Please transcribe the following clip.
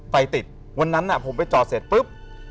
ไฟติดวันนั้นผมไปจอดเสร็จปุ๊บ